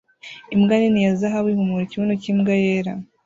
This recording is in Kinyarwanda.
Imbwa nini ya zahabu ihumura ikibuno cyimbwa yera